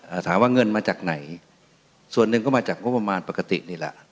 อ่าถามว่าเงินมาจากไหนส่วนหนึ่งก็มาจากงบประมาณปกตินี่แหละ